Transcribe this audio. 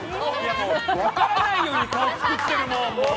分からないように顔作ってるもん。